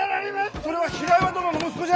それは平岩殿の息子じゃ！